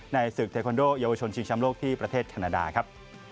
ในศึกเทคอนโดเยาวชนชิงช้ำโลกที่ประเทศแคนาดาครับ